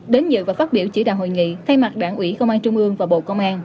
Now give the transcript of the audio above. đến dự và phát biểu chỉ đạo hội nghị thay mặt đảng ủy công an trung ương và bộ công an